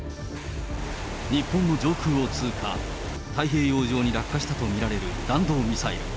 日本の上空を通過、太平洋上に落下したと見られる弾道ミサイル。